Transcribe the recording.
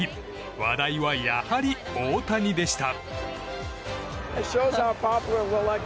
話題は、やはり大谷でした。